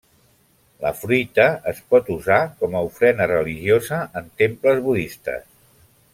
La fruita es pot usar com a ofrena religiosa en temples budistes.